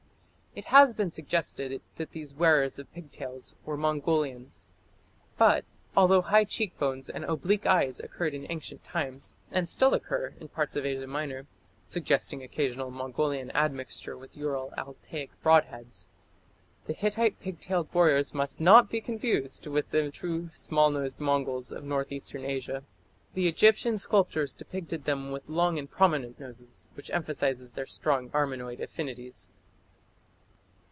It has been suggested that these wearers of pigtails were Mongolians. But although high cheek bones and oblique eyes occurred in ancient times, and still occur, in parts of Asia Minor, suggesting occasional Mongolian admixture with Ural Altaic broad heads, the Hittite pigtailed warriors must not be confused with the true small nosed Mongols of north eastern Asia. The Egyptian sculptors depicted them with long and prominent noses, which emphasize their strong Armenoid affinities.